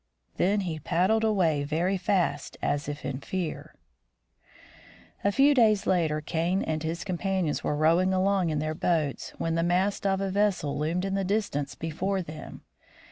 Then he paddled away very fast as if in fear. 56 THE FROZEN NORTH A few days later Kane and his companions were rowing along in their boats, when the mast of a vessel loomed in the distance before them.